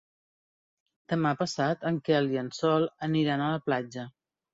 Demà passat en Quel i en Sol aniran a la platja.